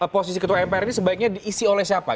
posisi ketua mpr ini sebaiknya diisi oleh siapa